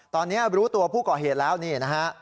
ตอนนี้รู้ตัวผู้ก่อเหตุแล้วนี่นะฮะ